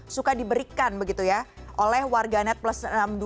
suka diberikan begitu ya oleh warganet plus enam dua